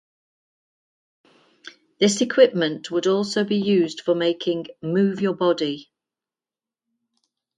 This equipment would also be used for making "Move Your Body".